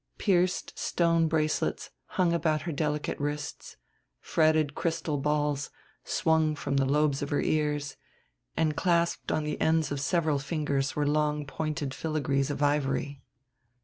Pierced stone bracelets hung about her delicate wrists, fretted crystal balls swung from the lobes of her ears; and clasped on the ends of several fingers were long pointed filagrees of ivory.